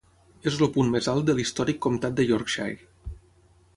És el punt més alt de l'històric comtat de Yorkshire.